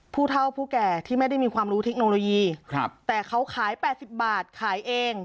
ผู้เท่าผู้แก่ที่ไม่ได้มีความรู้เทคโนโลยีครับแต่เขาขาย๘๐บาทขายเอง